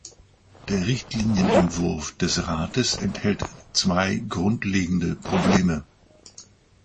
Der Richtlinienentwurf des Rates enthält zwei grundlegende Probleme.